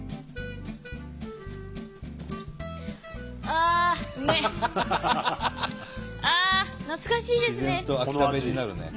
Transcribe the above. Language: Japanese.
ああ懐かしいですね。